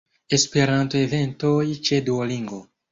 Esperanto-eventoj ĉe Duolingo.